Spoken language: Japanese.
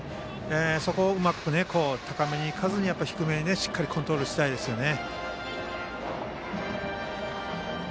そこをうまく高めにいかずに低めにしっかりコントロールしたいですね。